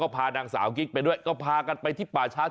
ไปกับนี่อยู่ข้างกันเห็นไหม